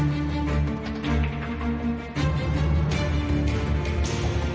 นี่พี่คิ๊งดูสิฮะเสถานที่วราชการ